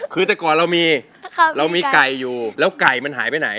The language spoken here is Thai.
คือแต่ก่อนเรามีเรามีไก่อยู่แล้วไก่มันหายไปไหน